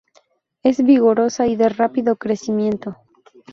Es vigorosa y de rápido crecimiento.